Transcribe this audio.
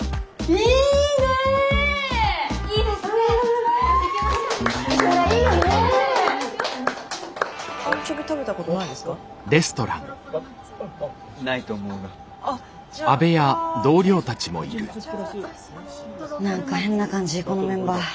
何か変な感じこのメンバー。